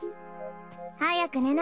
早く寝なよ。